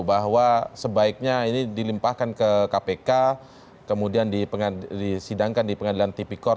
bahwa sebaiknya ini dilimpahkan ke kpk kemudian disidangkan di pengadilan tipikor